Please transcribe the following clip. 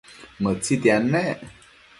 Mëtsitiad nec